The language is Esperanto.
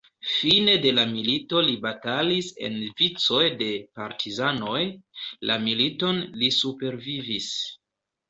Fine de la milito li batalis en vicoj de partizanoj.. La militon li supervivis.